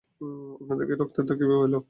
আপনার গায়ে রক্তের দাগ কিভাবে এলো?